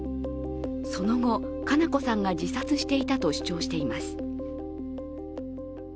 その後、佳菜子さんが自殺していたと主張しています。